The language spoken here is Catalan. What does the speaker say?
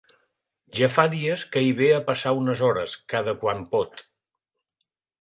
Ja fa dies que hi ve a passar unes hores, cada quan pot.